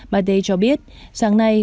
bà tê cho biết sáng nay